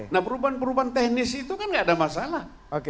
nah perubahan perubahan teknis itu kan nggak ada masalah